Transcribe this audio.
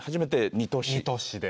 ２都市で。